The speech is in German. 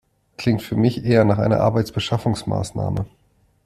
Klingt für mich eher nach einer Arbeitsbeschaffungsmaßnahme.